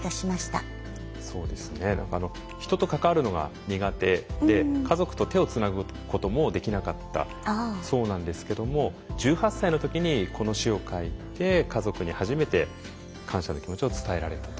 そうですね人と関わるのが苦手で家族と手をつなぐこともできなかったそうなんですけども１８歳の時にこの詩を書いて家族に初めて感謝の気持ちを伝えられたと。